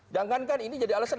jangankan ini jadi alasan